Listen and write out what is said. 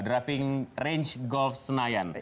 driving range golf senayan